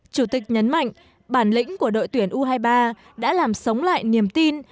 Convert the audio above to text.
chủ tịch nhấn mạnh bản lĩnh của đội tuyển u hai mươi ba đã làm sống lại niềm tin